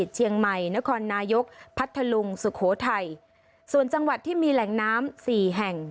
เชียงใหม่นครนายกพัทธลุงสุโขทัยส่วนจังหวัดที่มีแหล่งน้ำสี่แห่ง